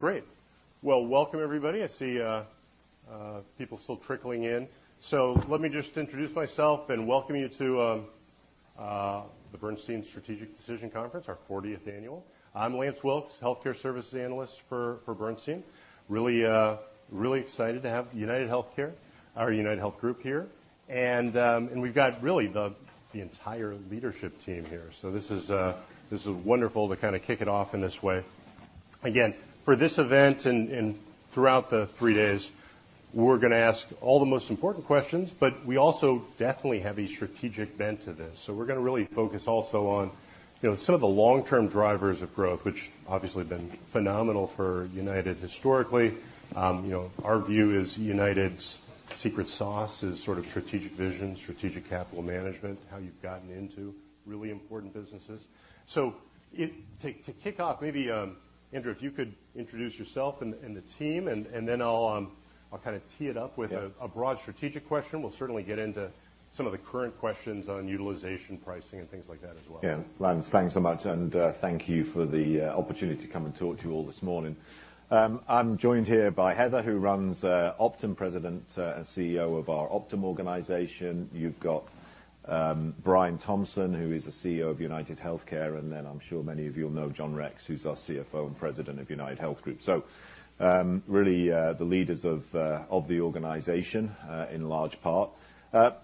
Great! Well, welcome everybody. I see people still trickling in. So let me just introduce myself and welcome you to the Bernstein Strategic Decisions Conference, our fortieth annual. I'm Lance Wilkes, Healthcare Services analyst for Bernstein. Really, really excited to have UnitedHealthcare, or UnitedHealth Group here, and we've got really the entire leadership team here. So this is wonderful to kind of kick it off in this way. Again, for this event and throughout the three days, we're gonna ask all the most important questions, but we also definitely have a strategic bent to this. So we're gonna really focus also on, you know, some of the long-term drivers of growth, which obviously have been phenomenal for United historically. You know, our view is United's secret sauce is sort of strategic vision, strategic capital management, how you've gotten into really important businesses. So to kick off, maybe, Andrew, if you could introduce yourself and the team, and then I'll kind of tee it up with a- Yeah. A broad strategic question. We'll certainly get into some of the current questions on utilization, pricing, and things like that as well. Yeah. Lance, thanks so much, and, thank you for the, opportunity to come and talk to you all this morning. I'm joined here by Heather, who runs Optum, President, and CEO of our Optum organization. You've got, Brian Thompson, who is the CEO of UnitedHealthcare, and then I'm sure many of you will know John Rex, who's our CFO and President of UnitedHealth Group. So, really, the leaders of, of the organization, in large part.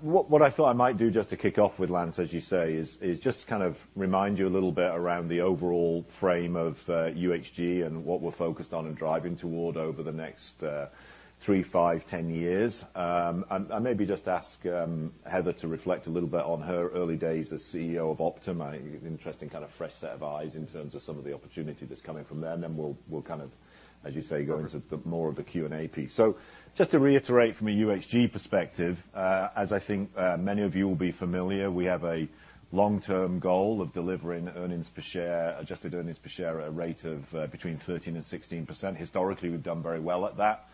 What I thought I might do just to kick off with, Lance, as you say, is just kind of remind you a little bit around the overall frame of, UHG and what we're focused on and driving toward over the next, three, five, 10 years. And maybe just ask Heather to reflect a little bit on her early days as CEO of Optum. It's interesting, kind of fresh set of eyes in terms of some of the opportunity that's coming from there, and then we'll kind of, as you say, go into more of the Q&A piece. So just to reiterate from a UHG perspective, as I think many of you will be familiar, we have a long-term goal of delivering earnings per share, adjusted earnings per share at a rate of between 13 and 16%. Historically, we've done very well at that.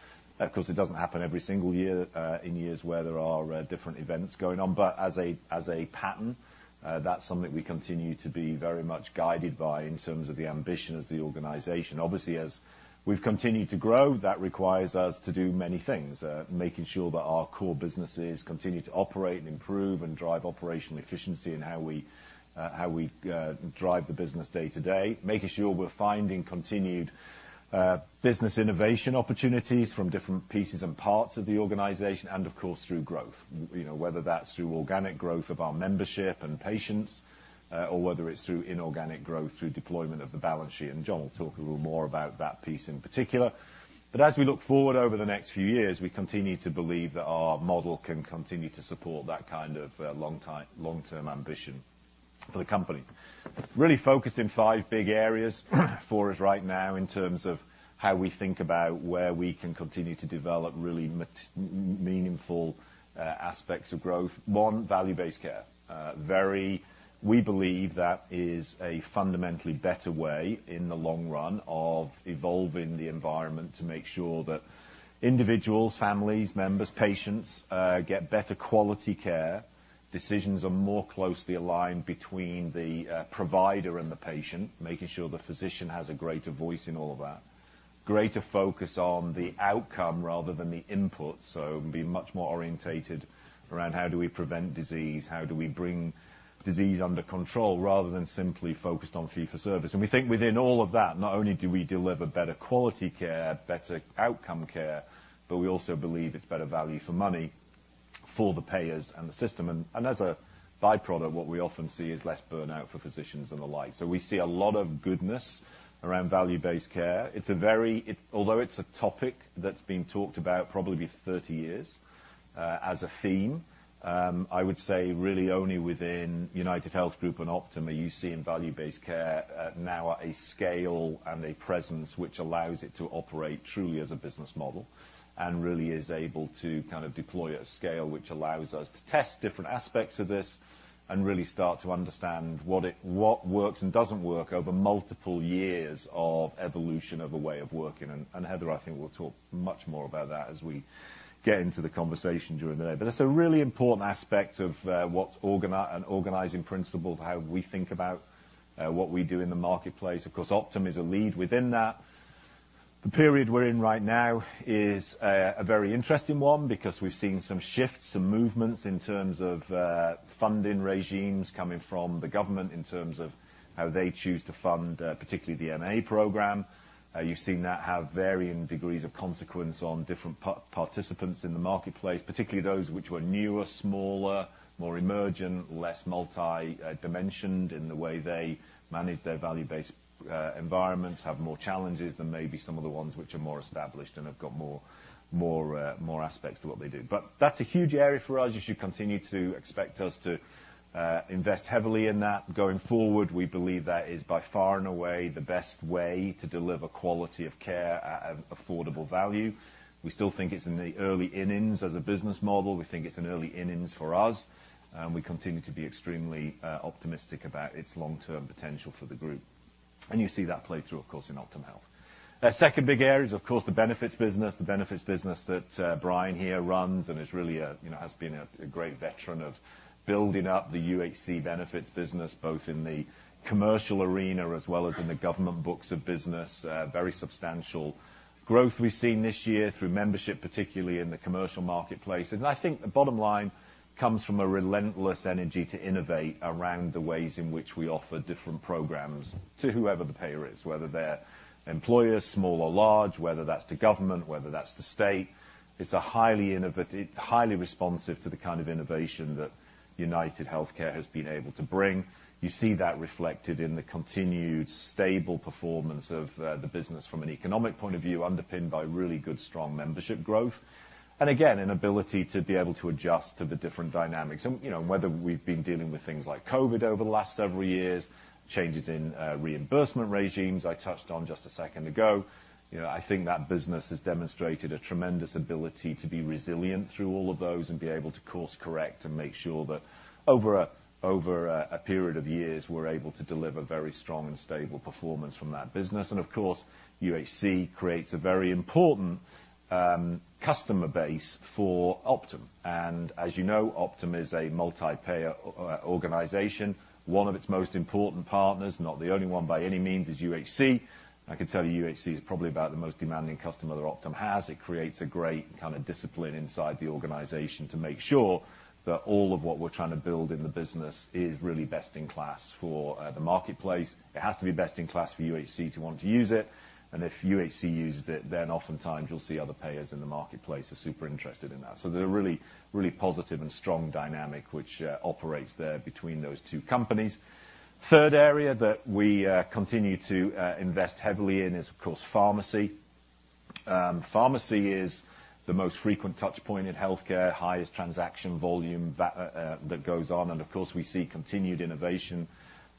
Of course, it doesn't happen every single year, in years where there are, different events going on, but as a pattern, that's something we continue to be very much guided by in terms of the ambition of the organization. Obviously, as we've continued to grow, that requires us to do many things, making sure that our core businesses continue to operate and improve and drive operational efficiency in how we drive the business day to day. Making sure we're finding continued business innovation opportunities from different pieces and parts of the organization, and of course, through growth. You know, whether that's through organic growth of our membership and patients, or whether it's through inorganic growth, through deployment of the balance sheet. And John will talk a little more about that piece in particular. But as we look forward over the next few years, we continue to believe that our model can continue to support that kind of, long-term ambition for the company. Really focused in five big areas for us right now, in terms of how we think about where we can continue to develop really meaningful, aspects of growth. One, value-based care. Very. We believe that is a fundamentally better way, in the long run, of evolving the environment to make sure that individuals, families, members, patients, get better quality care. Decisions are more closely aligned between the, provider and the patient, making sure the physician has a greater voice in all of that. Greater focus on the outcome rather than the input, so be much more oriented around how do we prevent disease, how do we bring disease under control, rather than simply focused on fee for service. And we think within all of that, not only do we deliver better quality care, better outcome care, but we also believe it's better value for money for the payers and the system. And, and as a by-product, what we often see is less burnout for physicians and the like. So we see a lot of goodness around value-based care. It's a very... Although it's a topic that's been talked about probably for 30 years, as a theme, I would say really only within UnitedHealth Group and Optum are you seeing value-based care now at a scale and a presence which allows it to operate truly as a business model, and really is able to kind of deploy at scale, which allows us to test different aspects of this and really start to understand what it what works and doesn't work over multiple years of evolution of a way of working. And Heather, I think, will talk much more about that as we get into the conversation during the day. But it's a really important aspect of what's an organizing principle of how we think about what we do in the marketplace. Of course, Optum is a lead within that. The period we're in right now is a very interesting one because we've seen some shifts, some movements in terms of funding regimes coming from the government, in terms of how they choose to fund particularly the MA program. You've seen that have varying degrees of consequence on different participants in the marketplace, particularly those which were newer, smaller, more emergent, less multidimensional in the way they manage their value-based environments, have more challenges than maybe some of the ones which are more established and have got more aspects to what they do. But that's a huge area for us. You should continue to expect us to invest heavily in that. Going forward, we believe that is by far and away the best way to deliver quality of care at an affordable value. We still think it's in the early innings as a business model. We think it's in early innings for us, and we continue to be extremely optimistic about its long-term potential for the group. And you see that play through, of course, in Optum Health. Our second big area is, of course, the benefits business. The benefits business that Brian here runs, and is really a, you know, has been a great veteran of building up the UHC benefits business, both in the commercial arena as well as in the government books of business. Very substantial growth we've seen this year through membership, particularly in the commercial marketplace. I think the bottom line comes from a relentless energy to innovate around the ways in which we offer different programs to whoever the payer is, whether they're employers, small or large, whether that's to government, whether that's the state. It's a highly innovative, highly responsive to the kind of innovation that UnitedHealthcare has been able to bring. You see that reflected in the continued stable performance of the business from an economic point of view, underpinned by really good, strong membership growth, and again, an ability to be able to adjust to the different dynamics. You know, whether we've been dealing with things like COVID over the last several years, changes in reimbursement regimes, I touched on just a second ago. You know, I think that business has demonstrated a tremendous ability to be resilient through all of those and be able to course correct and make sure that over a period of years, we're able to deliver very strong and stable performance from that business. And of course, UHC creates a very important customer base for Optum. And as you know, Optum is a multi-payer organization. One of its most important partners, not the only one by any means, is UHC. I can tell you, UHC is probably about the most demanding customer that Optum has. It creates a great kind of discipline inside the organization to make sure that all of what we're trying to build in the business is really best in class for the marketplace. It has to be best in class for UHC to want to use it, and if UHC uses it, then oftentimes you'll see other payers in the marketplace are super interested in that. So there's a really, really positive and strong dynamic which operates there between those two companies. Third area that we continue to invest heavily in is, of course, pharmacy. Pharmacy is the most frequent touch point in healthcare, highest transaction volume that goes on, and of course, we see continued innovation,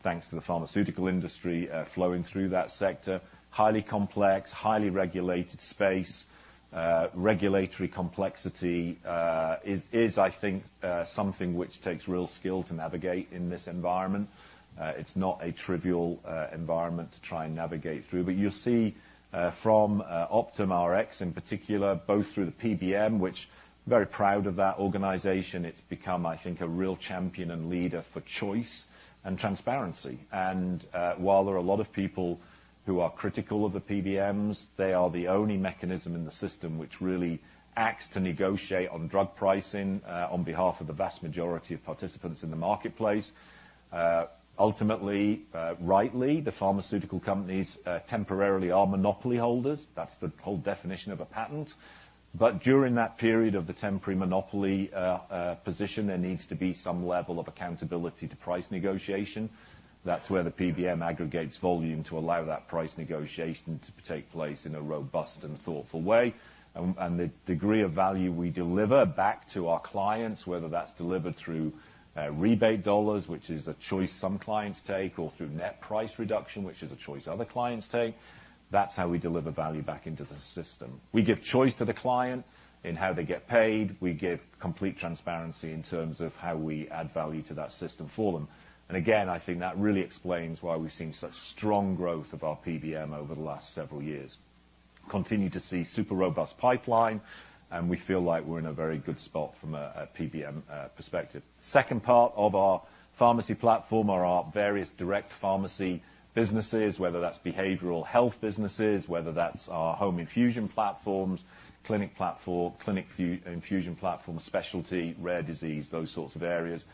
thanks to the pharmaceutical industry flowing through that sector. Highly complex, highly regulated space. Regulatory complexity is, I think, something which takes real skill to navigate in this environment. It's not a trivial environment to try and navigate through. But you'll see from Optum Rx in particular, both through the PBM, which very proud of that organization. It's become, I think, a real champion and leader for choice and transparency. And while there are a lot of people who are critical of the PBMs, they are the only mechanism in the system which really acts to negotiate on drug pricing on behalf of the vast majority of participants in the marketplace. Ultimately, rightly, the pharmaceutical companies temporarily are monopoly holders. That's the whole definition of a patent. But during that period of the temporary monopoly position, there needs to be some level of accountability to price negotiation. That's where the PBM aggregates volume to allow that price negotiation to take place in a robust and thoughtful way. And the degree of value we deliver back to our clients, whether that's delivered through rebate dollars, which is a choice some clients take, or through net price reduction, which is a choice other clients take, that's how we deliver value back into the system. We give choice to the client in how they get paid. We give complete transparency in terms of how we add value to that system for them. And again, I think that really explains why we've seen such strong growth of our PBM over the last several years. Continue to see super robust pipeline, and we feel like we're in a very good spot from a PBM perspective. Second part of our pharmacy platform are our various direct pharmacy businesses, whether that's behavioral health businesses, whether that's our home infusion platforms, clinic platform, clinic infusion platform, specialty, rare disease, those sorts of areas.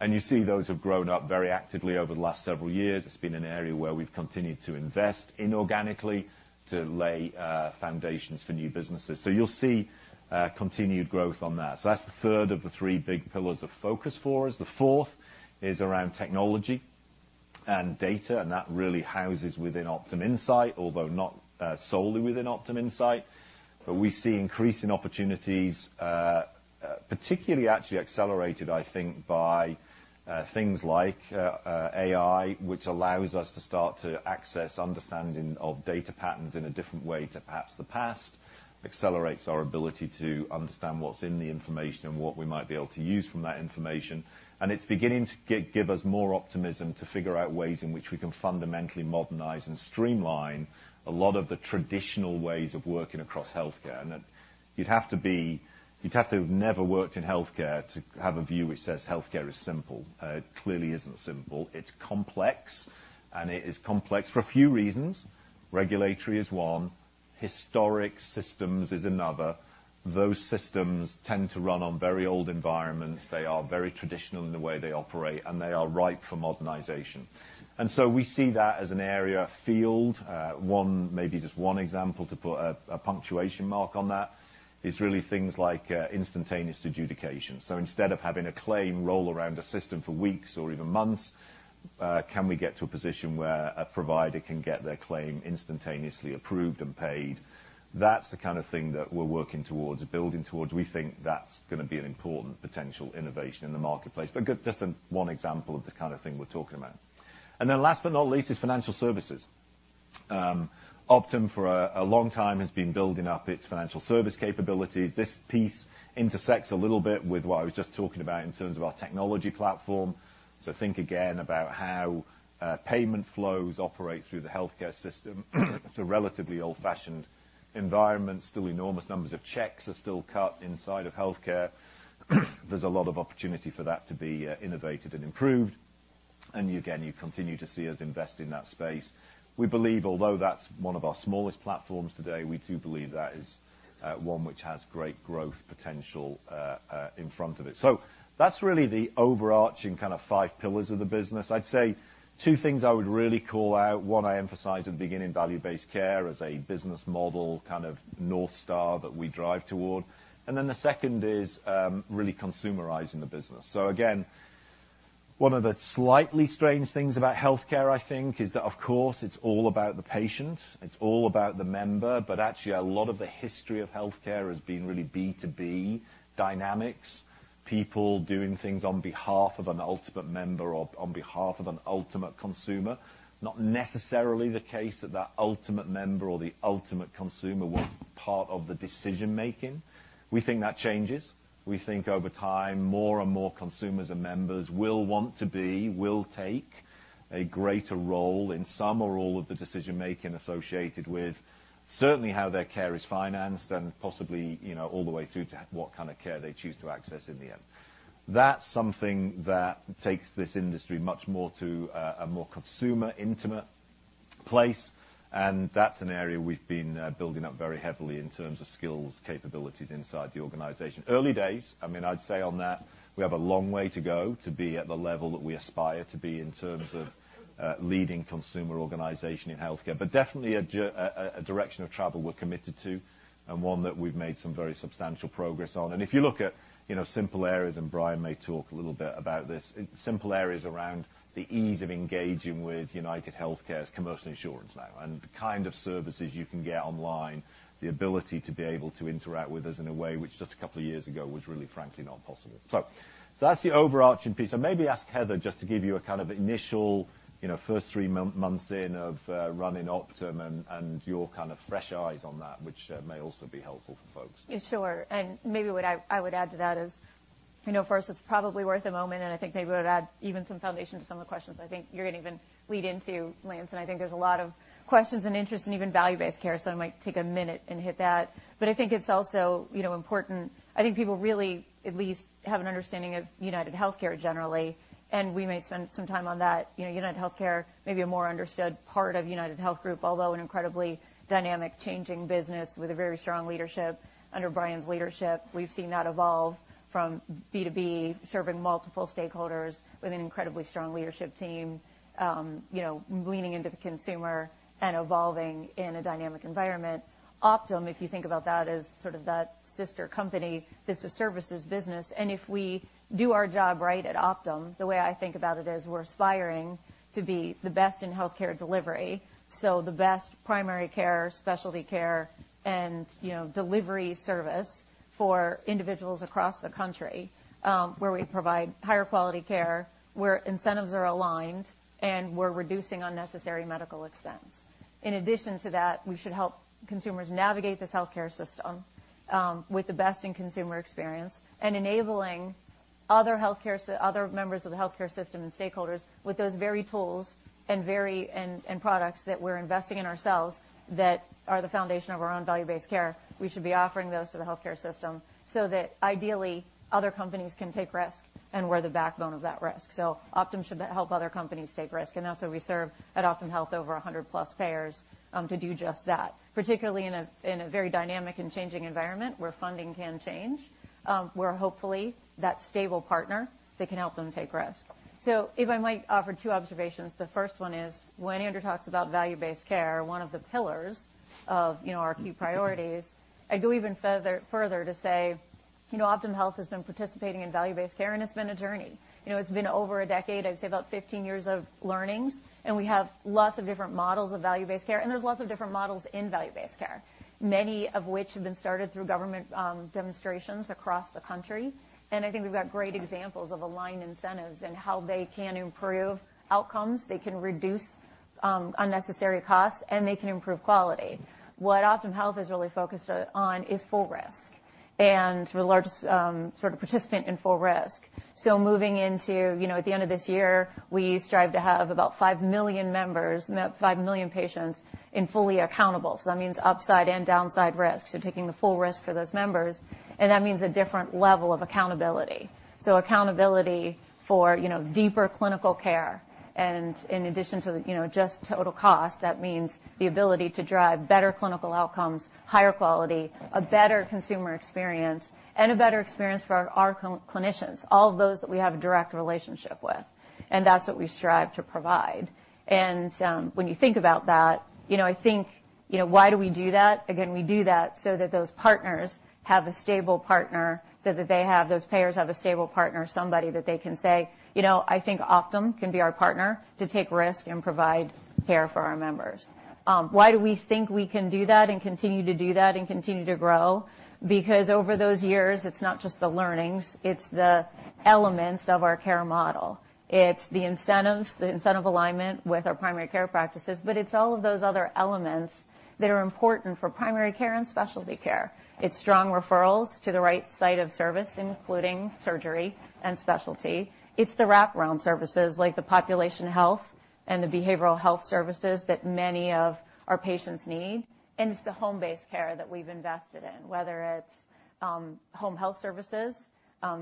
And you see those have grown up very actively over the last several years. It's been an area where we've continued to invest inorganically to lay foundations for new businesses. So you'll see continued growth on that. So that's the third of the three big pillars of focus for us. The fourth is around technology and data, and that really houses within Optum Insight, although not solely within Optum Insight. But we see increasing opportunities, particularly actually accelerated, I think, by things like AI, which allows us to start to access understanding of data patterns in a different way to perhaps the past. Accelerates our ability to understand what's in the information and what we might be able to use from that information. And it's beginning to give us more optimism to figure out ways in which we can fundamentally modernize and streamline a lot of the traditional ways of working across healthcare. And you'd have to be... You'd have to have never worked in healthcare to have a view which says healthcare is simple. It clearly isn't simple. It's complex, and it is complex for a few reasons. Regulatory is one, historic systems is another. Those systems tend to run on very old environments. They are very traditional in the way they operate, and they are ripe for modernization. And so we see that as an area of field. One, maybe just one example to put a punctuation mark on that is really things like, instantaneous adjudication. So instead of having a claim roll around the system for weeks or even months, can we get to a position where a provider can get their claim instantaneously approved and paid? That's the kind of thing that we're working towards, building towards. We think that's gonna be an important potential innovation in the marketplace, but good, just one example of the kind of thing we're talking about. And then last but not least, is financial services. Optum, for a long time, has been building up its financial service capabilities. This piece intersects a little bit with what I was just talking about in terms of our technology platform. So think again about how payment flows operate through the healthcare system. It's a relatively old-fashioned environment. Still enormous numbers of checks are still cut inside of healthcare. There's a lot of opportunity for that to be innovated and improved, and you again, you continue to see us invest in that space. We believe, although that's one of our smallest platforms today, we do believe that is one which has great growth potential in front of it. So that's really the overarching kind of five pillars of the business. I'd say two things I would really call out. One, I emphasized at the beginning, value-based care as a business model, kind of north star that we drive toward. And then the second is really consumerizing the business. So again, one of the slightly strange things about healthcare, I think, is that, of course, it's all about the patient, it's all about the member, but actually, a lot of the history of healthcare has been really B2B dynamics, people doing things on behalf of an ultimate member or on behalf of an ultimate consumer. Not necessarily the case that the ultimate member or the ultimate consumer was part of the decision-making. We think that changes. We think over time, more and more consumers and members will want to be, will take a greater role in some or all of the decision-making associated with certainly how their care is financed, and possibly, you know, all the way through to what kind of care they choose to access in the end. That's something that takes this industry much more to a more consumer intimate place, and that's an area we've been building up very heavily in terms of skills, capabilities inside the organization. Early days, I mean, I'd say on that, we have a long way to go to be at the level that we aspire to be in terms of leading consumer organization in healthcare. But definitely a direction of travel we're committed to, and one that we've made some very substantial progress on. And if you look at, you know, simple areas, and Brian may talk a little bit about this, simple areas around the ease of engaging with UnitedHealthcare's commercial insurance now, and the kind of services you can get online, the ability to be able to interact with us in a way which just a couple of years ago was really, frankly, not possible. So that's the overarching piece. So maybe ask Heather just to give you a kind of initial, you know, first three months in of running Optum and your kind of fresh eyes on that, which may also be helpful for folks. Sure. And maybe what I, I would add to that is, you know, first, it's probably worth a moment, and I think maybe would add even some foundation to some of the questions I think you're gonna even lead into, Lance, and I think there's a lot of questions and interest in even value-based care, so I might take a minute and hit that. But I think it's also, you know, important. I think people really at least have an understanding of UnitedHealthcare generally, and we may spend some time on that. You know, UnitedHealthcare, maybe a more understood part of UnitedHealth Group, although an incredibly dynamic, changing business with a very strong leadership. Under Brian's leadership, we've seen that evolve from B2B, serving multiple stakeholders with an incredibly strong leadership team, you know, leaning into the consumer and evolving in a dynamic environment. Optum, if you think about that, as sort of that sister company, it's a services business, and if we do our job right at Optum, the way I think about it is we're aspiring to be the best in healthcare delivery, so the best primary care, specialty care, and, you know, delivery service for individuals across the country, where we provide higher quality care, where incentives are aligned, and we're reducing unnecessary medical expense. In addition to that, we should help consumers navigate this healthcare system, with the best in consumer experience, and enabling other members of the healthcare system and stakeholders with those very tools and very, and, and products that we're investing in ourselves, that are the foundation of our own value-based care. We should be offering those to the healthcare system so that ideally, other companies can take risk, and we're the backbone of that risk. So Optum should help other companies take risk, and that's why we serve at Optum Health over 100+ payers to do just that, particularly in a very dynamic and changing environment where funding can change. We're hopefully that stable partner that can help them take risk. So if I might offer two observations, the first one is, when Andrew talks about value-based care, one of the pillars of, you know, our key priorities, I'd go even further to say, you know, Optum Health has been participating in value-based care, and it's been a journey. You know, it's been over a decade, I'd say about 15 years of learnings, and we have lots of different models of value-based care, and there's lots of different models in value-based care, many of which have been started through government demonstrations across the country. And I think we've got great examples of aligned incentives and how they can improve outcomes, they can reduce unnecessary costs, and they can improve quality. What Optum Health is really focused on is full risk, and we're the largest sort of participant in full risk. So moving into, you know, at the end of this year, we strive to have about 5 million members, about 5 million patients in fully accountable. So that means upside and downside risks. So taking the full risk for those members, and that means a different level of accountability. So accountability for, you know, deeper clinical care. And in addition to, you know, just total cost, that means the ability to drive better clinical outcomes, higher quality, a better consumer experience, and a better experience for our clinicians, all of those that we have a direct relationship with. And that's what we strive to provide. And, when you think about that, you know, I think, you know, why do we do that? Again, we do that so that those partners have a stable partner, so that they have... those payers have a stable partner, somebody that they can say, "You know, I think Optum can be our partner to take risk and provide care for our members." Why do we think we can do that and continue to do that and continue to grow? Because over those years, it's not just the learnings, it's the elements of our care model. It's the incentives, the incentive alignment with our primary care practices, but it's all of those other elements that are important for primary care and specialty care. It's strong referrals to the right site of service, including surgery and specialty. It's the wraparound services like the population health.... and the behavioral health services that many of our patients need, and it's the home-based care that we've invested in, whether it's, home health services,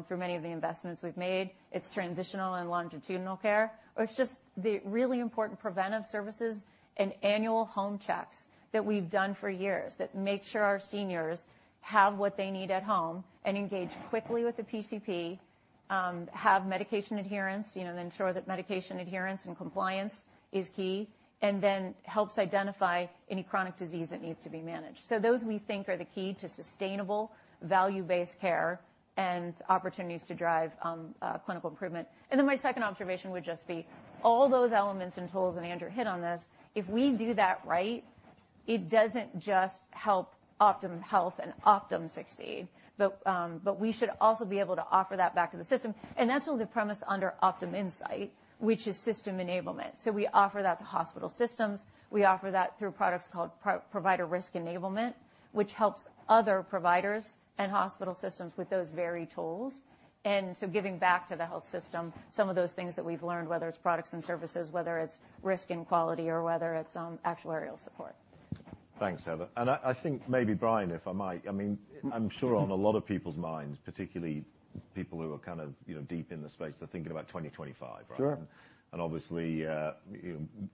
through many of the investments we've made. It's transitional and longitudinal care, or it's just the really important preventive services and annual home checks that we've done for years that make sure our seniors have what they need at home and engage quickly with the PCP, have medication adherence, you know, and ensure that medication adherence and compliance is key, and then helps identify any chronic disease that needs to be managed. So those, we think, are the key to sustainable value-based care and opportunities to drive, clinical improvement. And then my second observation would just be all those elements and tools, and Andrew hit on this, if we do that right, it doesn't just help Optum Health and Optum succeed, but, but we should also be able to offer that back to the system. And that's really the premise under Optum Insight, which is system enablement. So we offer that to hospital systems. We offer that through products called Provider Risk Enablement, which helps other providers and hospital systems with those very tools, and so giving back to the health system some of those things that we've learned, whether it's products and services, whether it's risk and quality, or whether it's actuarial support. Thanks, Heather. I, I think maybe Brian, if I might, I mean, I'm sure on a lot of people's minds, particularly people who are kind of, you know, deep in the space, they're thinking about 2025, right? Sure. Obviously, you know,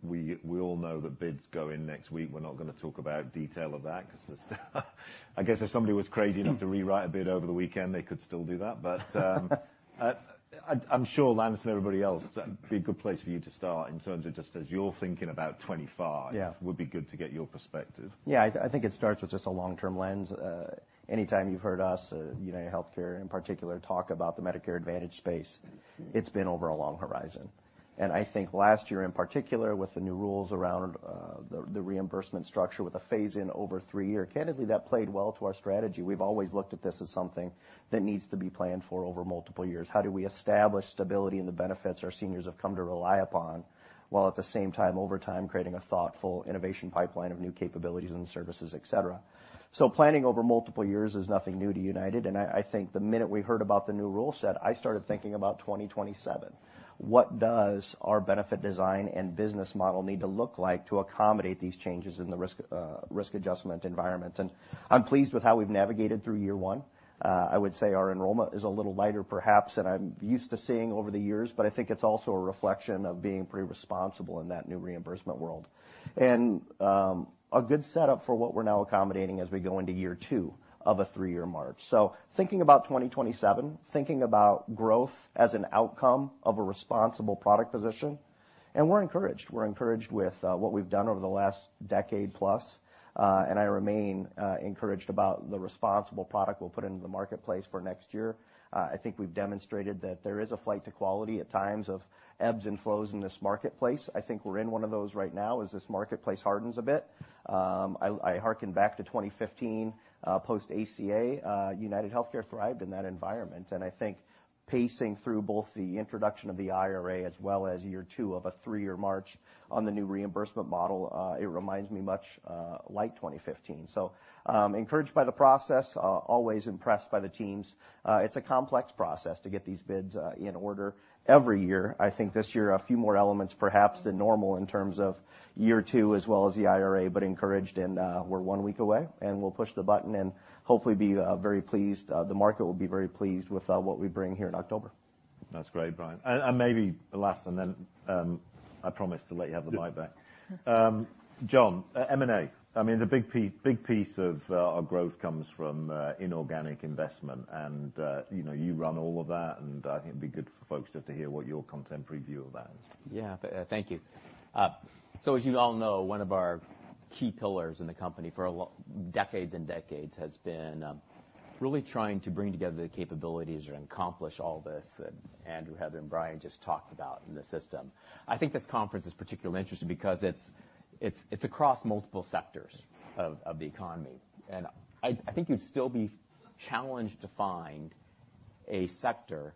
we all know the bids go in next week. We're not gonna talk about detail of that, 'cause... I guess if somebody was crazy enough to rewrite a bid over the weekend, they could still do that. But, I'm sure Lance and everybody else, it's a pretty good place for you to start in terms of just as you're thinking about 25- Yeah. Would be good to get your perspective. Yeah, I think it starts with just a long-term lens. Anytime you've heard us, UnitedHealthcare in particular, talk about the Medicare Advantage space, it's been over a long horizon. And I think last year, in particular, with the new rules around the reimbursement structure with a phase-in over three years, candidly, that played well to our strategy. We've always looked at this as something that needs to be planned for over multiple years. How do we establish stability and the benefits our seniors have come to rely upon, while at the same time, over time, creating a thoughtful innovation pipeline of new capabilities and services, et cetera? So planning over multiple years is nothing new to United, and I think the minute we heard about the new rule set, I started thinking about 2027. What does our benefit design and business model need to look like to accommodate these changes in the risk, risk adjustment environment? I'm pleased with how we've navigated through year one. I would say our enrollment is a little lighter, perhaps, than I'm used to seeing over the years, but I think it's also a reflection of being pretty responsible in that new reimbursement world, and, a good setup for what we're now accommodating as we go into year two of a three-year march. Thinking about 2027, thinking about growth as an outcome of a responsible product position, and we're encouraged. We're encouraged with, what we've done over the last decade plus, and I remain, encouraged about the responsible product we'll put into the marketplace for next year. I think we've demonstrated that there is a flight to quality at times of ebbs and flows in this marketplace. I think we're in one of those right now as this marketplace hardens a bit. I hearken back to 2015, post-ACA. UnitedHealthcare thrived in that environment, and I think pacing through both the introduction of the IRA as well as year two of a three-year march on the new reimbursement model, it reminds me much like 2015. So, encouraged by the process, always impressed by the teams. It's a complex process to get these bids in order every year. I think this year, a few more elements perhaps than normal in terms of year two, as well as the IRA, but encouraged, and, we're one week away, and we'll push the button and hopefully be, very pleased, the market will be very pleased with, what we bring here in October. That's great, Brian. And maybe the last, and then I promise to let you have the mic back. John, M&A. I mean, the big piece of our growth comes from inorganic investment and, you know, you run all of that, and I think it'd be good for folks just to hear what your contemporary view of that is. Yeah. Thank you. So as you all know, one of our key pillars in the company for decades and decades has been, really trying to bring together the capabilities or accomplish all this that Andrew, Heather, and Brian just talked about in the system. I think this conference is particularly interesting because it's across multiple sectors of the economy, and I think you'd still be challenged to find a sector,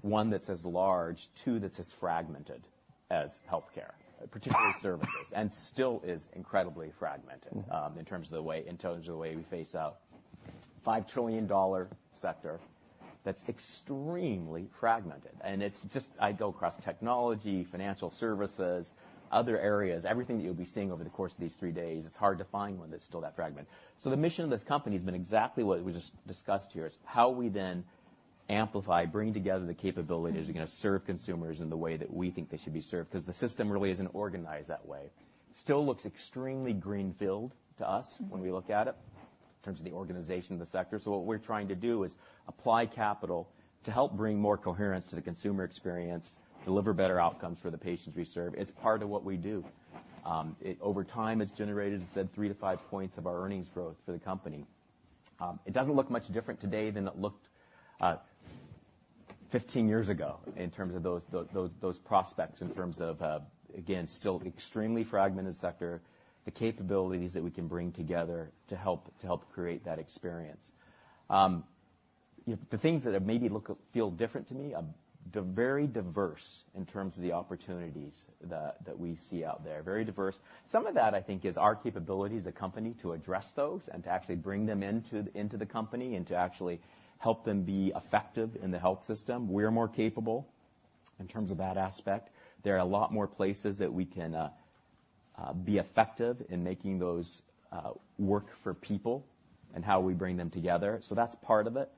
one, that's as large, two, that's as fragmented as healthcare, particularly services, and still is incredibly fragmented, in terms of the way, in terms of the way we face a $5 trillion sector, that's extremely fragmented. It's just... I go across technology, financial services, other areas, everything that you'll be seeing over the course of these three days, it's hard to find one that's still that fragmented. So the mission of this company has been exactly what we just discussed here. It's how we then amplify, bring together the capabilities we're gonna serve consumers in the way that we think they should be served, 'cause the system really isn't organized that way. Still looks extremely greenfield to us when we look at it, in terms of the organization of the sector. So what we're trying to do is apply capital to help bring more coherence to the consumer experience, deliver better outcomes for the patients we serve. It's part of what we do. It, over time, has generated, as I said, 3-5 points of our earnings growth for the company. It doesn't look much different today than it looked 15 years ago in terms of those prospects, in terms of again, still extremely fragmented sector, the capabilities that we can bring together to help create that experience. The things that maybe look, feel different to me, the very diverse in terms of the opportunities that we see out there, very diverse. Some of that, I think, is our capability as a company to address those and to actually bring them into the company, and to actually help them be effective in the health system. We're more capable in terms of that aspect. There are a lot more places that we can- Be effective in making those, work for people and how we bring them together. So that's part of it.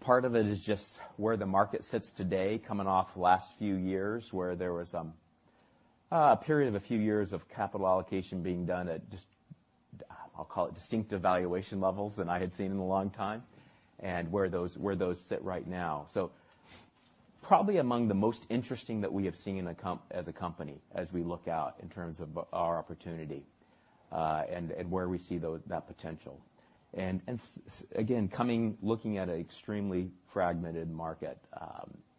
Part of it is just where the market sits today, coming off the last few years, where there was a period of a few years of capital allocation being done at just, I'll call it distinctive valuation levels than I had seen in a long time, and where those sit right now. So probably among the most interesting that we have seen as a company, as we look out in terms of our opportunity, and where we see those, that potential. And again, looking at an extremely fragmented market,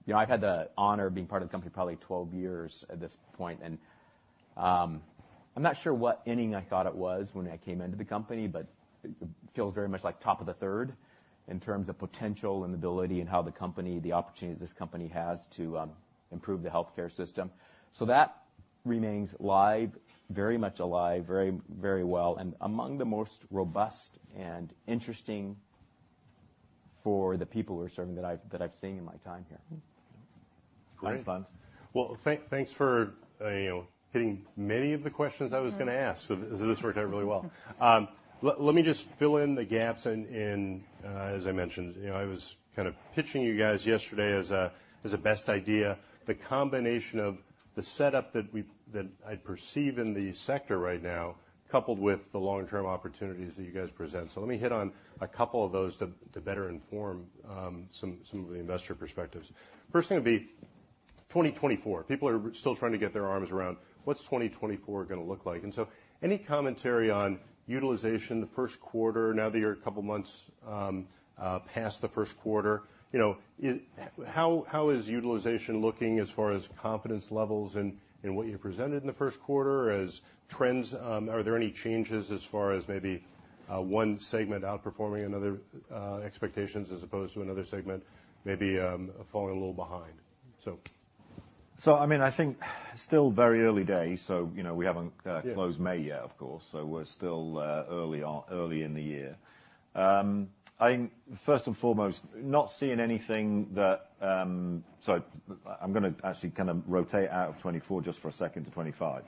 you know, I've had the honor of being part of the company probably 12 years at this point, and I'm not sure what inning I thought it was when I came into the company, but it feels very much like top of the third in terms of potential and ability and how the company the opportunities this company has to improve the healthcare system. So that remains live, very much alive, very, very well, and among the most robust and interesting for the people we're serving that I've seen in my time here. Go ahead, Brian. Well, thanks for, you know, hitting many of the questions I was gonna ask. Mm-hmm. So this worked out really well. Let me just fill in the gaps. As I mentioned, you know, I was kind of pitching you guys yesterday as a best idea, the combination of the setup that I perceive in the sector right now, coupled with the long-term opportunities that you guys present. So let me hit on a couple of those to better inform some of the investor perspectives. First thing would be 2024. People are still trying to get their arms around what's 2024 gonna look like? And so any commentary on utilization, the first quarter, now that you're a couple of months past the first quarter, you know, how is utilization looking as far as confidence levels in what you presented in the first quarter? As trends, are there any changes as far as maybe, one segment outperforming another, expectations, as opposed to another segment, maybe, falling a little behind? So. So, I mean, I think still very early days, so, you know, we haven't, Yeah Closed May yet, of course, so we're still early on, early in the year. I think, first and foremost, not seeing anything that... Sorry, I'm gonna actually kind of rotate out of 2024 just for a second to 2025.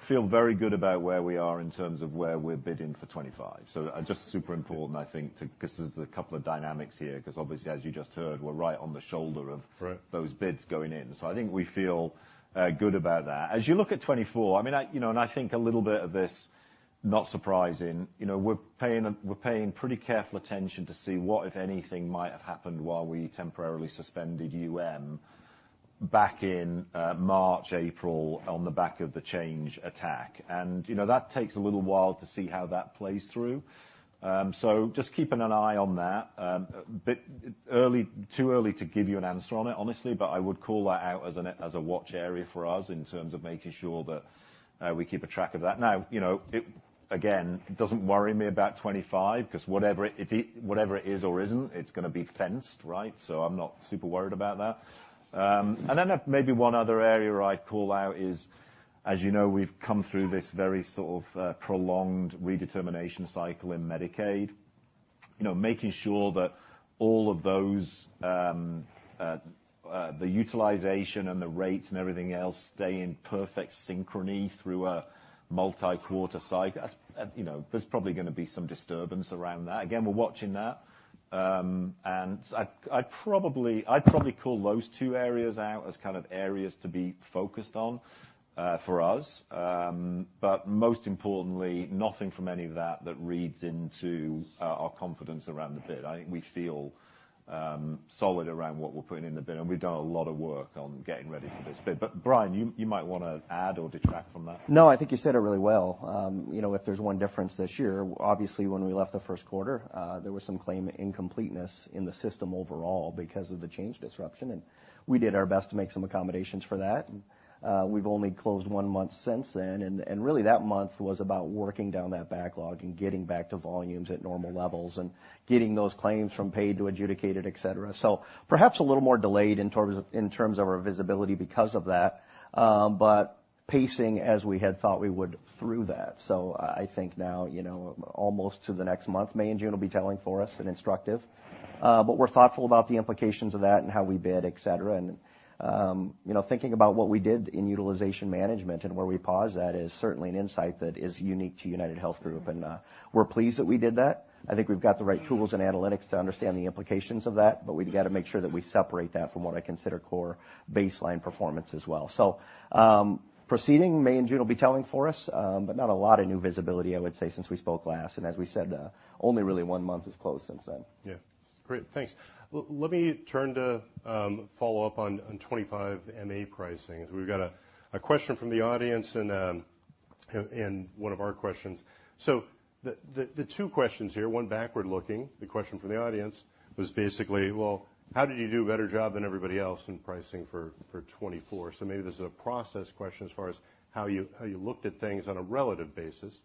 Feel very good about where we are in terms of where we're bidding for 2025. So just super important, I think, to—because there's a couple of dynamics here, because obviously, as you just heard, we're right on the shoulder of— Right Those bids going in. So I think we feel good about that. As you look at 2024, I mean, I, you know, and I think a little bit of this, not surprising, you know, we're paying, we're paying pretty careful attention to see what, if anything, might have happened while we temporarily suspended UM back in March, April, on the back of the Change attack. And, you know, that takes a little while to see how that plays through. So just keeping an eye on that, but too early to give you an answer on it, honestly, but I would call that out as an, as a watch area for us in terms of making sure that we keep a track of that. Now, you know, it, again, it doesn't worry me about 2025, because whatever it, whatever it is or isn't, it's gonna be fenced, right? So I'm not super worried about that. And then maybe one other area where I'd call out is, as you know, we've come through this very sort of prolonged redetermination cycle in Medicaid. You know, making sure that all of those, the utilization and the rates and everything else stay in perfect synchrony through a multi-quarter cycle. As you know, there's probably gonna be some disturbance around that. Again, we're watching that, and I, I'd probably, I'd probably call those two areas out as kind of areas to be focused on for us. But most importantly, nothing from any of that, that reads into our confidence around the bid. I think we feel solid around what we're putting in the bid, and we've done a lot of work on getting ready for this bid. But, Brian, you, you might want to add or detract from that. No, I think you said it really well. You know, if there's one difference this year, obviously, when we left the first quarter, there was some claim incompleteness in the system overall because of the Change disruption, and we did our best to make some accommodations for that. We've only closed one month since then, and really, that month was about working down that backlog and getting back to volumes at normal levels and getting those claims from paid to adjudicated, et cetera. So perhaps a little more delayed in terms, in terms of our visibility because of that, but pacing as we had thought we would through that. So I think now, you know, almost to the next month, May and June will be telling for us, and instructive. But we're thoughtful about the implications of that and how we bid, et cetera. And, you know, thinking about what we did in utilization management and where we paused at, is certainly an insight that is unique to UnitedHealth Group, and, we're pleased that we did that. I think we've got the right tools and analytics to understand the implications of that, but we've got to make sure that we separate that from what I consider core baseline performance as well. Proceeding, May and June will be telling for us, but not a lot of new visibility, I would say, since we spoke last, and as we said, only really one month is closed since then. Yeah. Great, thanks. Let me turn to follow up on 2025 MA pricing, as we've got a question from the audience and one of our questions. So the two questions here, one backward-looking, the question from the audience, was basically: Well, how did you do a better job than everybody else in pricing for 2024? So maybe this is a process question as far as how you looked at things on a relative basis,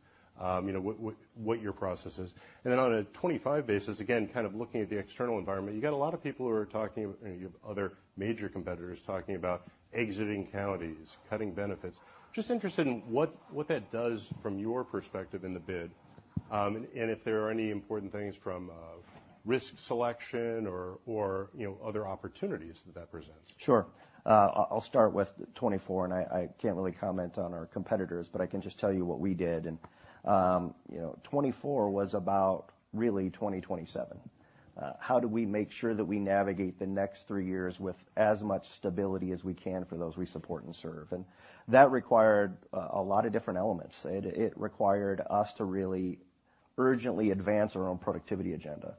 you know, what your process is. And then on a 2025 basis, again, kind of looking at the external environment, you got a lot of people who are talking, you have other major competitors talking about exiting counties, cutting benefits. Just interested in what that does from your perspective in the bid?... and if there are any important things from risk selection or, you know, other opportunities that presents? Sure. I'll start with 2024, and I can't really comment on our competitors, but I can just tell you what we did. And, you know, 2024 was about really 2027. How do we make sure that we navigate the next three years with as much stability as we can for those we support and serve? And that required a lot of different elements. It required us to really urgently advance our own productivity agenda.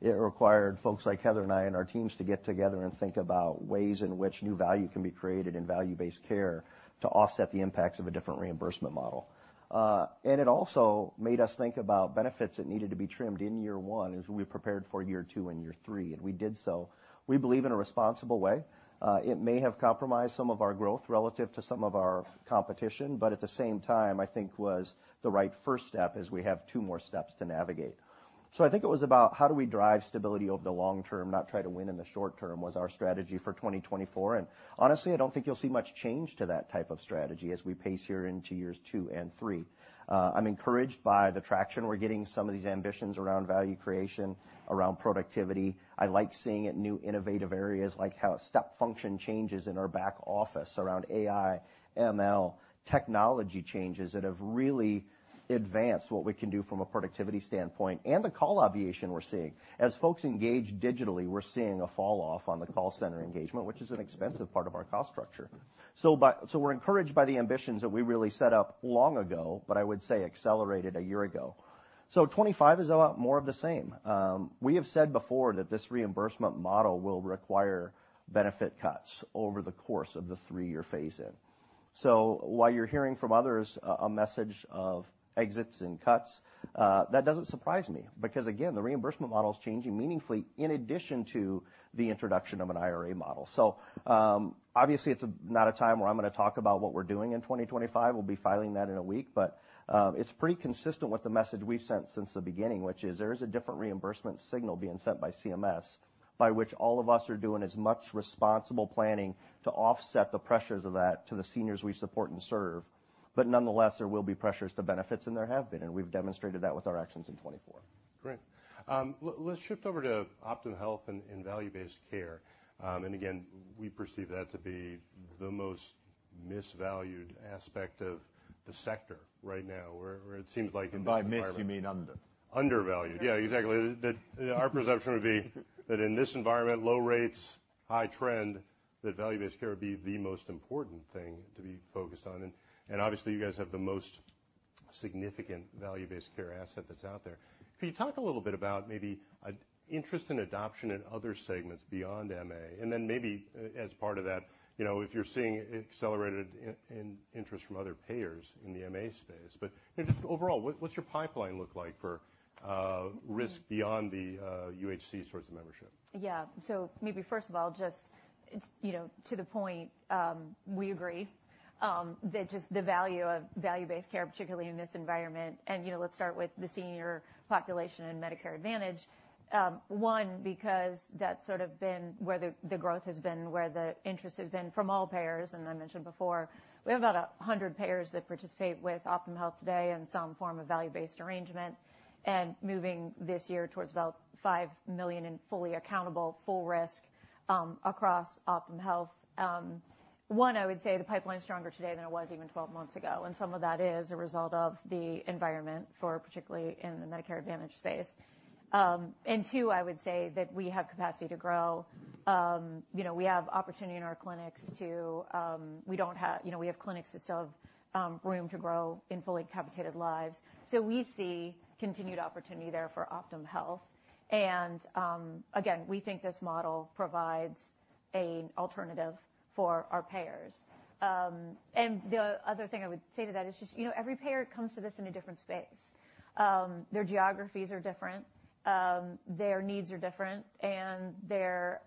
It required folks like Heather and I, and our teams to get together and think about ways in which new value can be created in value-based care to offset the impacts of a different reimbursement model. And it also made us think about benefits that needed to be trimmed in year one as we prepared for year two and year three, and we did so, we believe, in a responsible way. It may have compromised some of our growth relative to some of our competition, but at the same time, I think was the right first step as we have two more steps to navigate. So I think it was about how do we drive stability over the long term, not try to win in the short term, was our strategy for 2024, and honestly, I don't think you'll see much change to that type of strategy as we pace here into years two and three. I'm encouraged by the traction we're getting, some of these ambitions around value creation, around productivity. I like seeing it in new innovative areas, like how step function changes in our back office around AI, ML, technology changes that have really advanced what we can do from a productivity standpoint, and the call alleviation we're seeing. As folks engage digitally, we're seeing a fall off on the call center engagement, which is an expensive part of our cost structure. So we're encouraged by the ambitions that we really set up long ago, but I would say accelerated a year ago. So 2025 is a lot more of the same. We have said before that this reimbursement model will require benefit cuts over the course of the three-year phase-in. So while you're hearing from others a message of exits and cuts, that doesn't surprise me. Because, again, the reimbursement model is changing meaningfully in addition to the introduction of an IRA model. Obviously, it's not a time where I'm going to talk about what we're doing in 2025. We'll be filing that in a week, but, it's pretty consistent with the message we've sent since the beginning, which is there is a different reimbursement signal being sent by CMS, by which all of us are doing as much responsible planning to offset the pressures of that to the seniors we support and serve. But nonetheless, there will be pressures to benefits, and there have been, and we've demonstrated that with our actions in 2024. Great. Let's shift over to Optum Health and value-based care. And again, we perceive that to be the most misvalued aspect of the sector right now, where it seems like- By miss, you mean under? Undervalued. Yeah, exactly. That, our perception would be that in this environment, low rates, high trend, that value-based care would be the most important thing to be focused on. And, and obviously, you guys have the most significant value-based care asset that's out there. Can you talk a little bit about maybe, interest and adoption in other segments beyond MA? And then maybe as part of that, you know, if you're seeing accelerated interest from other payers in the MA space. But just overall, what, what's your pipeline look like for, risk beyond the, UHC source of membership? Yeah. So maybe first of all, just, you know, to the point, we agree that just the value of value-based care, particularly in this environment, and, you know, let's start with the senior population in Medicare Advantage. One, because that's sort of been where the growth has been, where the interest has been from all payers. And I mentioned before, we have about 100 payers that participate with Optum Health today in some form of value-based arrangement, and moving this year towards about 5 million in fully accountable, full risk, across Optum Health. One, I would say the pipeline is stronger today than it was even 12 months ago, and some of that is a result of the environment for particularly in the Medicare Advantage space. And two, I would say that we have capacity to grow. You know, we have opportunity in our clinics to... You know, we have clinics that still have room to grow in fully capitated lives. So we see continued opportunity there for Optum Health, and, again, we think this model provides an alternative for our payers. And the other thing I would say to that is just, you know, every payer comes to this in a different space. Their geographies are different, their needs are different, and their,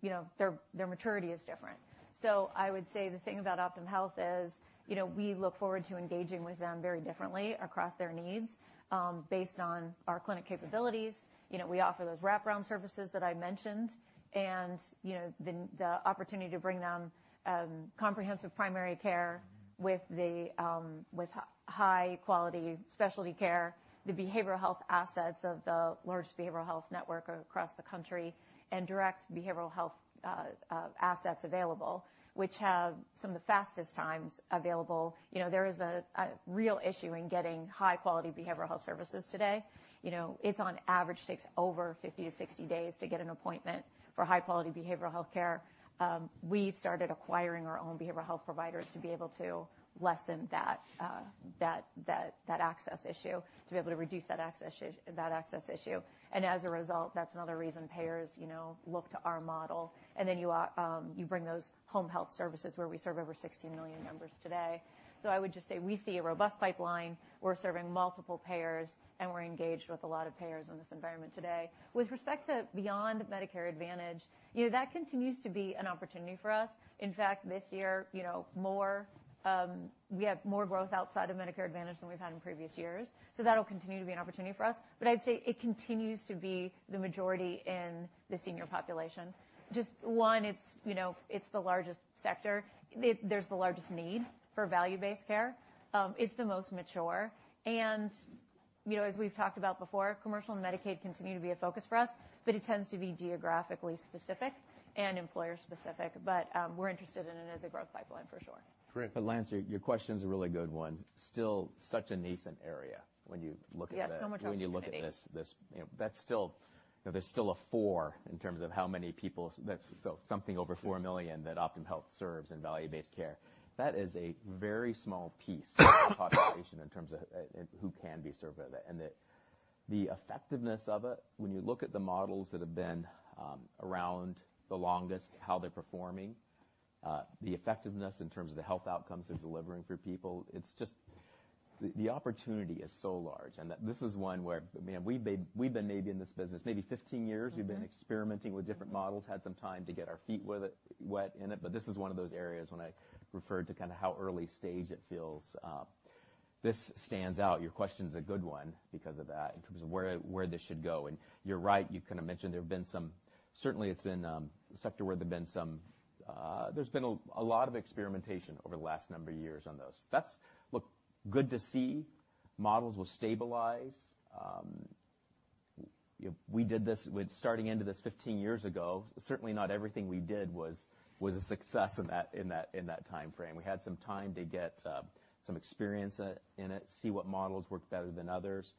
you know, their maturity is different. So I would say the thing about Optum Health is, you know, we look forward to engaging with them very differently across their needs, based on our clinic capabilities. You know, we offer those wraparound services that I mentioned, and, you know, the opportunity to bring them comprehensive primary care with high-quality specialty care, the behavioral health assets of the largest behavioral health network across the country, and direct behavioral health assets available, which have some of the fastest times available. You know, there is a real issue in getting high-quality behavioral health services today. You know, it, on average, takes over 50-60 days to get an appointment for high-quality behavioral health care. We started acquiring our own behavioral health providers to be able to lessen that access issue, to be able to reduce that access issue. And as a result, that's another reason payers, you know, look to our model. And then you bring those home health services where we serve over 60 million members today. So I would just say we see a robust pipeline, we're serving multiple payers, and we're engaged with a lot of payers in this environment today. With respect to beyond Medicare Advantage, you know, that continues to be an opportunity for us. In fact, this year, you know, more, we have more growth outside of Medicare Advantage than we've had in previous years, so that'll continue to be an opportunity for us. But I'd say it continues to be the majority in the senior population. Just one, it's, you know, it's the largest sector. There, there's the largest need for value-based care. It's the most mature, and-... You know, as we've talked about before, commercial and Medicaid continue to be a focus for us, but it tends to be geographically specific and employer specific. But, we're interested in it as a growth pipeline, for sure. Great. But Lance, your question's a really good one. Still such a nascent area when you look at the- Yeah, so much opportunity. When you look at this, you know, that's still... You know, there's still a 4 in terms of how many people, that's so something over 4 million that Optum Health serves in value-based care. That is a very small piece of the population in terms of who can be served by that. And the effectiveness of it, when you look at the models that have been around the longest, how they're performing, the effectiveness in terms of the health outcomes they're delivering for people, it's just... The opportunity is so large, and that this is one where, man, we've been, we've been maybe in this business maybe 15 years. Mm-hmm. We've been experimenting with different models, had some time to get our feet wet in it, but this is one of those areas when I referred to kind of how early stage it feels, this stands out. Your question's a good one because of that, in terms of where this should go, and you're right. You kind of mentioned there have been some... Certainly, it's been a sector where there have been some, there's been a lot of experimentation over the last number of years on those. That's, look, good to see. Models will stabilize. You know, we did this with starting into this 15 years ago, certainly not everything we did was a success in that time frame. We had some time to get some experience in it, see what models worked better than others.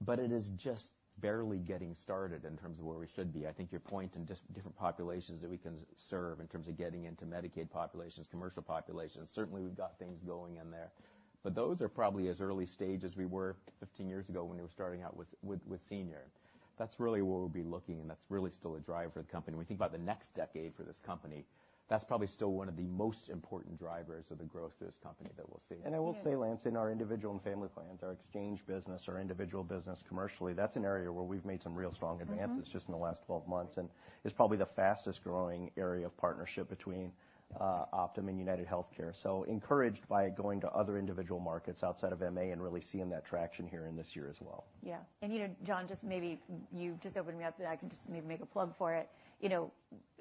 But it is just barely getting started in terms of where we should be. I think your point in just different populations that we can serve in terms of getting into Medicaid populations, commercial populations, certainly we've got things going in there, but those are probably as early stage as we were 15 years ago when we were starting out with senior. That's really where we'll be looking, and that's really still a driver for the company. When we think about the next decade for this company, that's probably still one of the most important drivers of the growth of this company that we'll see. Yeah. I will say, Lance, in our individual and family plans, our exchange business, our individual business commercially, that's an area where we've made some real strong advances- Mm-hmm. Just in the last twelve months, and it's probably the fastest growing area of partnership between Optum and UnitedHealthcare. So encouraged by going to other individual markets outside of MA and really seeing that traction here in this year as well. Yeah. And, you know, John, just maybe you've just opened me up, and I can just maybe make a plug for it. You know,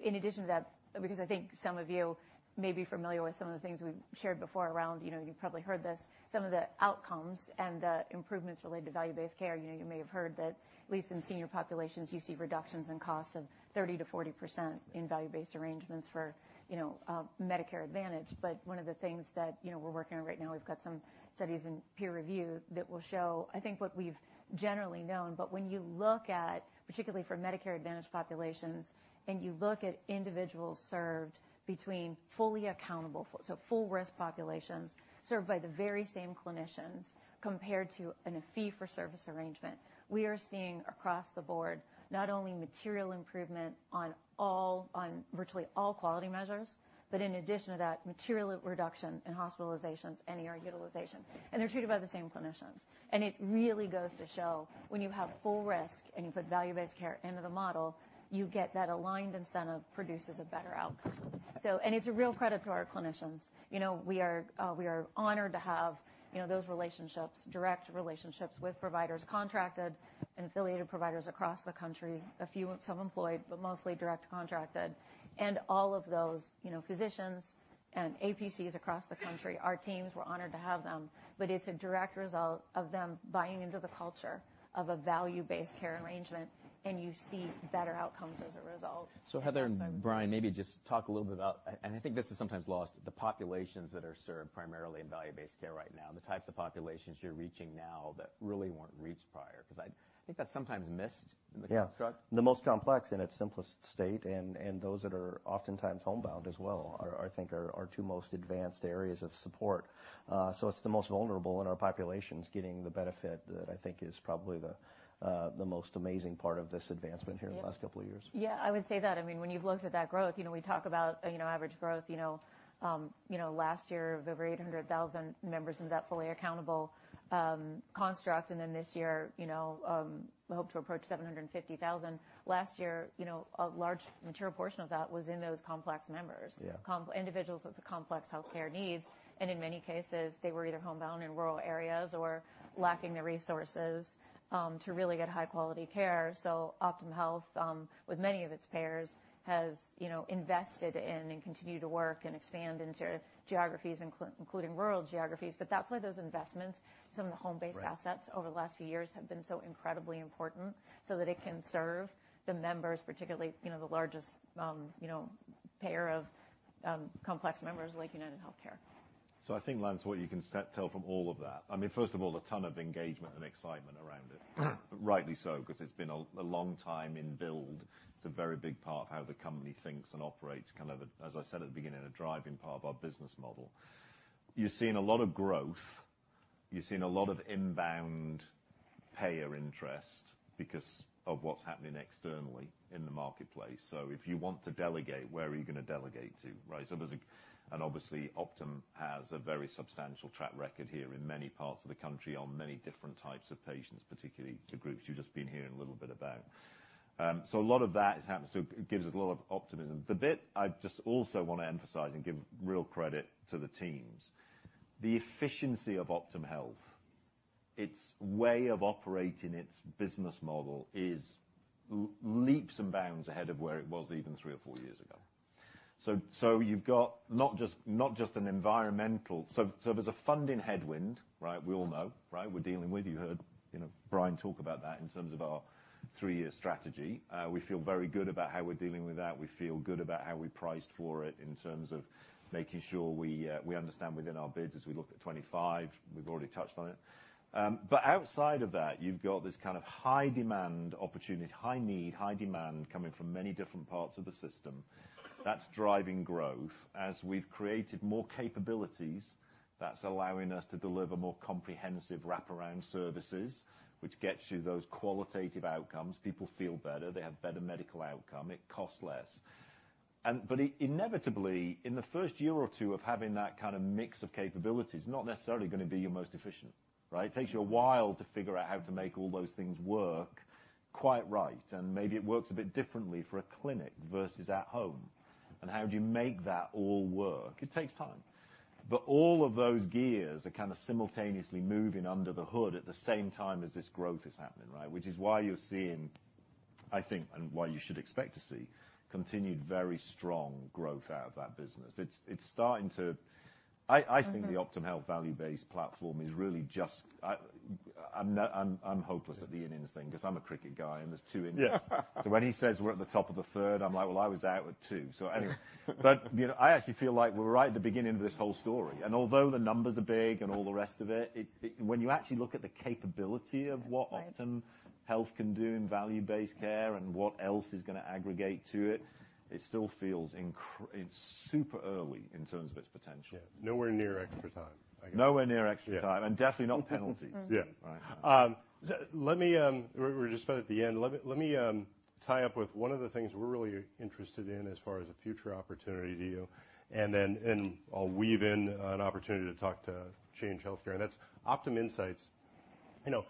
in addition to that, because I think some of you may be familiar with some of the things we've shared before around, you know, you've probably heard this, some of the outcomes and the improvements related to value-based care. You know, you may have heard that at least in senior populations, you see reductions in cost of 30%-40% in value-based arrangements for, you know, Medicare Advantage. But one of the things that, you know, we're working on right now, we've got some studies in peer review that will show, I think, what we've generally known. But when you look at, particularly for Medicare Advantage populations, and you look at individuals served between fully accountable, so full risk populations, served by the very same clinicians, compared to in a fee-for-service arrangement, we are seeing across the board not only material improvement on all, on virtually all quality measures, but in addition to that, material reduction in hospitalizations and ER utilization, and they're treated by the same clinicians. It really goes to show when you have full risk and you put value-based care into the model, you get that aligned incentive produces a better outcome. So... it's a real credit to our clinicians. You know, we are, we are honored to have, you know, those relationships, direct relationships with providers, contracted and affiliated providers across the country, a few self-employed, but mostly direct contracted, and all of those, you know, physicians and APCs across the country, our teams, we're honored to have them. But it's a direct result of them buying into the culture of a value-based care arrangement, and you see better outcomes as a result. So Heather and Brian, maybe just talk a little bit about, and I think this is sometimes lost, the populations that are served primarily in value-based care right now, and the types of populations you're reaching now that really weren't reached prior, because I think that's sometimes missed in the construct. Yeah. The most complex in its simplest state, and those that are oftentimes homebound as well, are, I think, our two most advanced areas of support. So it's the most vulnerable in our populations getting the benefit that I think is probably the most amazing part of this advancement here in the last couple of years. Yeah, I would say that. I mean, when you've looked at that growth, you know, we talk about, you know, average growth, you know, last year, over 800,000 members in that fully accountable construct, and then this year, you know, we hope to approach 750,000. Last year, you know, a large mature portion of that was in those complex members. Yeah. Individuals with complex healthcare needs, and in many cases, they were either homebound in rural areas or lacking the resources to really get high-quality care. So Optum Health with many of its payers has, you know, invested in and continue to work and expand into geographies, including rural geographies. But that's why those investments, some of the home-based assets- Right. Over the last few years have been so incredibly important, so that it can serve the members, particularly, you know, the largest, you know, payer of, complex members like UnitedHealthcare. So, I think, Lance, what you can see from all of that, I mean, first of all, a ton of engagement and excitement around it, rightly so, because it's been a long time in build. It's a very big part of how the company thinks and operates, kind of, as I said at the beginning, a driving part of our business model. You've seen a lot of growth, you've seen a lot of inbound payer interest because of what's happening externally in the marketplace. So if you want to delegate, where are you going to delegate to, right? So there's a... And obviously, Optum has a very substantial track record here in many parts of the country on many different types of patients, particularly the groups you've just been hearing a little bit about. So a lot of that is happening, so it gives us a lot of optimism. The bit I just also want to emphasize and give real credit to the teams, the efficiency of Optum Health, its way of operating its business model, is leaps and bounds ahead of where it was even three or four years ago. So there's a funding headwind, right? We all know, right? We're dealing with. You heard, you know, Brian talk about that in terms of our three-year strategy. We feel very good about how we're dealing with that. We feel good about how we priced for it in terms of making sure we understand within our bids as we look at 2025. We've already touched on it. But outside of that, you've got this kind of high-demand opportunity, high need, high demand, coming from many different parts of the system. That's driving growth. As we've created more capabilities, that's allowing us to deliver more comprehensive wraparound services, which gets you those qualitative outcomes. People feel better. They have better medical outcome. It costs less. And but inevitably, in the first year or two of having that kind of mix of capabilities, it's not necessarily going to be your most efficient, right? It takes you a while to figure out how to make all those things work quite right, and maybe it works a bit differently for a clinic versus at home. And how do you make that all work? It takes time, but all of those gears are kind of simultaneously moving under the hood at the same time as this growth is happening, right? Which is why you're seeing, I think, and why you should expect to see, continued very strong growth out of that business. It's, it's starting to... I, I think the Optum Health value-based platform is really just, I'm not, I'm, I'm hopeless at the innings thing because I'm a cricket guy, and there's two innings. Yeah. So when he says we're at the top of the third, I'm like, "Well, I was out with two." So anyway, but, you know, I actually feel like we're right at the beginning of this whole story, and although the numbers are big and all the rest of it, it—when you actually look at the capability of what- Right. Optum Health can do in value-based care and what else is going to aggregate to it. It still feels... It's super early in terms of its potential. Yeah. Nowhere near extra time, I guess. Nowhere near extra time. Yeah. Definitely not penalties. Mm-hmm. Yeah. Right. So let me, we're just about at the end. Let me tie up with one of the things we're really interested in as far as a future opportunity to you, and then, and I'll weave in an opportunity to talk to Change Healthcare, and that's Optum Insight. You know,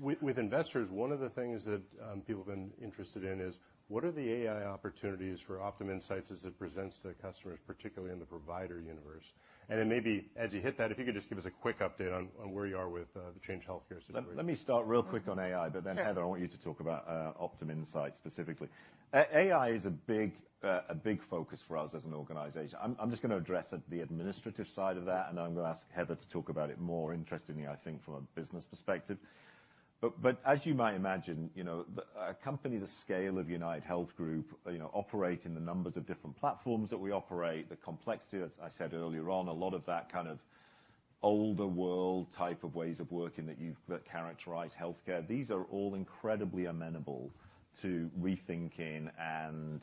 with investors, one of the things that people have been interested in is: What are the AI opportunities for Optum Insight as it presents to the customers, particularly in the provider universe? And then maybe as you hit that, if you could just give us a quick update on where you are with the Change Healthcare situation. Let me start real quick on AI. Sure. But then, Heather, I want you to talk about Optum Insight, specifically. AI is a big, a big focus for us as an organization. I'm, I'm just going to address it, the administrative side of that, and then I'm going to ask Heather to talk about it more interestingly, I think, from a business perspective. But, but as you might imagine, you know, the a company the scale of UnitedHealth Group, you know, operating the numbers of different platforms that we operate, the complexity, as I said earlier on, a lot of that kind of older world type of ways of working that characterize healthcare, these are all incredibly amenable to rethinking and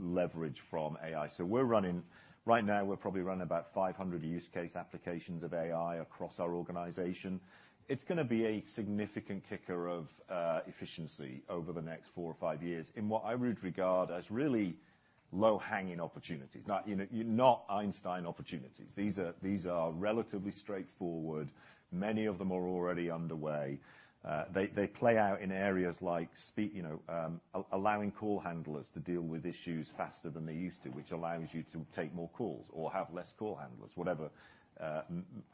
leverage from AI. So we're running, right now, we're probably running about 500 use case applications of AI across our organization. It's going to be a significant kicker of efficiency over the next 4 or 5 years in what I would regard as really low-hanging opportunities, not, you know, not Einstein opportunities. These are relatively straightforward. Many of them are already underway. They play out in areas like, you know, allowing call handlers to deal with issues faster than they used to, which allows you to take more calls or have less call handlers, whatever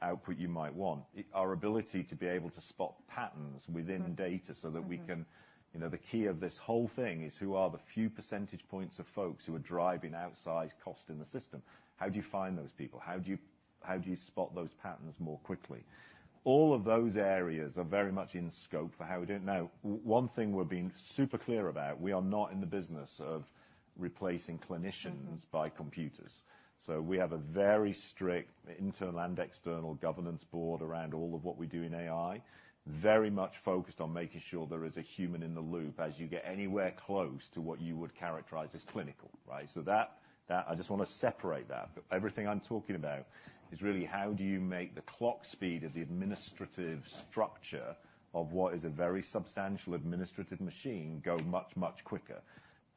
output you might want. Our ability to be able to spot patterns within data- Mm-hmm. So that we can, you know, the key of this whole thing is, who are the few percentage points of folks who are driving outsized cost in the system? How do you find those people? How do you spot those patterns more quickly? All of those areas are very much in scope for how we do it. Now, one thing we're being super clear about, we are not in the business of replacing clinicians- Mm-hmm. By computers. So we have a very strict internal and external governance board around all of what we do in AI, very much focused on making sure there is a human in the loop as you get anywhere close to what you would characterize as clinical, right? So that, that, I just want to separate that. But everything I'm talking about is really how do you make the clock speed of the administrative structure of what is a very substantial administrative machine go much, much quicker.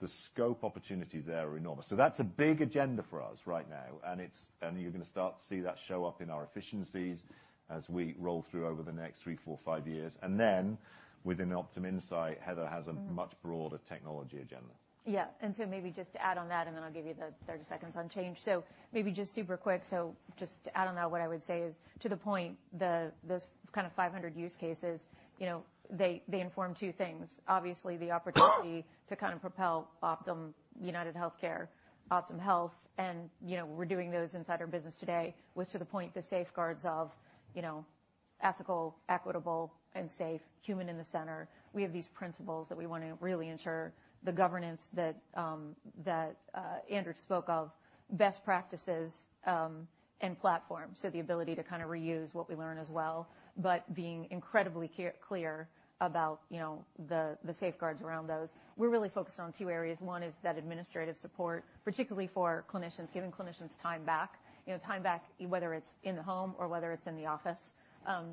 The scope opportunities there are enormous. So that's a big agenda for us right now, and it's—and you're going to start to see that show up in our efficiencies as we roll through over the next 3, 4, 5 years. And then, within Optum Insight, Heather has a- Mm-hmm. Much broader technology agenda. Yeah. And so maybe just to add on that, and then I'll give you the 30 seconds on Change. So maybe just super quick, so just to add on that, what I would say is, to the point, the, those kind of 500 use cases, you know, they, they inform two things: obviously, the opportunity to kind of propel Optum, UnitedHealthcare, Optum Health, and, you know, we're doing those inside our business today, which, to the point, the safeguards of, you know, ethical, equitable, and safe, human in the center. We have these principles that we want to really ensure the governance that Andrew spoke of, best practices, and platforms. So the ability to kind of reuse what we learn as well, but being incredibly clear about, you know, the, the safeguards around those. We're really focused on two areas. One is that administrative support, particularly for clinicians, giving clinicians time back. You know, time back, whether it's in the home or whether it's in the office.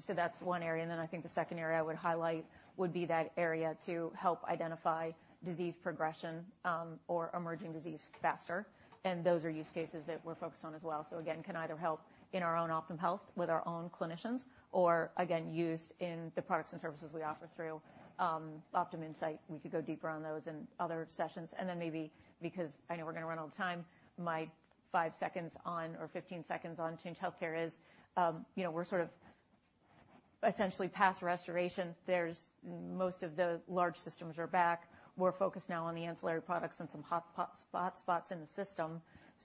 So that's one area, and then I think the second area I would highlight would be that area to help identify disease progression, or emerging disease faster. And those are use cases that we're focused on as well. So again, can either help in our own Optum Health with our own clinicians, or again, used in the products and services we offer through Optum Insight. We could go deeper on those in other sessions. And then maybe, because I know we're going to run out of time, my five seconds on or 15 seconds on Change Healthcare is, you know, we're sort of essentially past restoration. There's. Most of the large systems are back. We're focused now on the ancillary products and some hot spots in the system,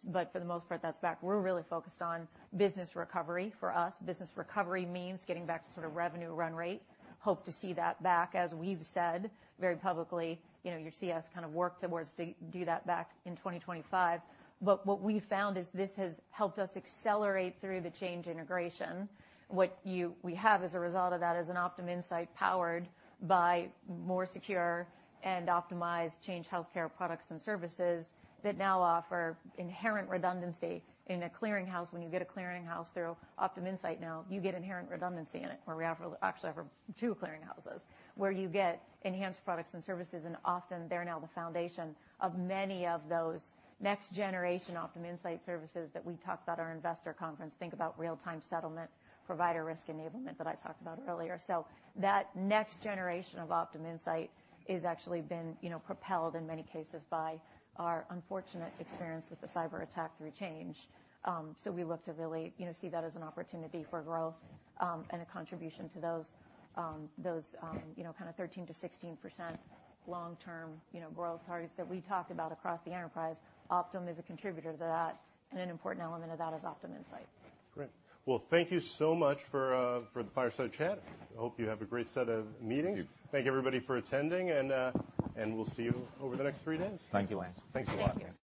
but for the most part, that's back. We're really focused on business recovery. For us, business recovery means getting back to sort of revenue run rate. Hope to see that back, as we've said very publicly, you know, you see us kind of work towards to do that back in 2025. But what we found is this has helped us accelerate through the Change integration. What we have as a result of that is an Optum Insight powered by more secure and optimized Change Healthcare products and services that now offer inherent redundancy in a clearinghouse. When you get a clearinghouse through Optum Insight, now you get inherent redundancy in it, where we actually have two clearinghouses, where you get enhanced products and services, and often they're now the foundation of many of those next-generation Optum Insight services that we talked about at our investor conference. Think about real-time settlement, provider risk enablement that I talked about earlier. So that next generation of Optum Insight is actually been, you know, propelled in many cases by our unfortunate experience with the cyberattack through Change. So we look to really, you know, see that as an opportunity for growth, and a contribution to those, you know, kind of 13%-16% long-term, you know, growth targets that we talked about across the enterprise. Optum is a contributor to that, and an important element of that is Optum Insight. Great. Well, thank you so much for the fireside chat. I hope you have a great set of meetings. Thank you. Thank you, everybody, for attending and, and we'll see you over the next three days. Thank you, Andrew. Thanks a lot. Thank you.